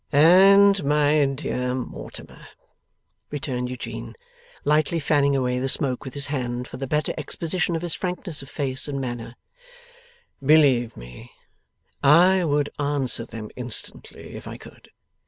'And my dear Mortimer,' returned Eugene, lightly fanning away the smoke with his hand for the better exposition of his frankness of face and manner, 'believe me, I would answer them instantly if I could.